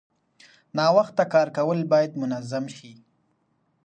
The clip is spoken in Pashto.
ناوخته کار کول باید منظم شي.